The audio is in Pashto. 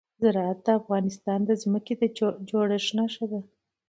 زراعت د افغانستان د ځمکې د جوړښت نښه ده.